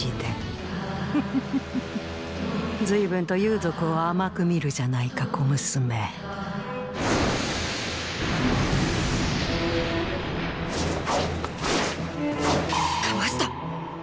フフフフフ随分と幽族を甘く見るじゃないか小娘かわしたっ！